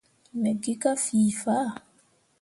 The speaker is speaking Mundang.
Me gi ka fii faa.